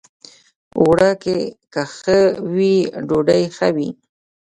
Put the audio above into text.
اوړه که ښه وي، ډوډۍ ښه وي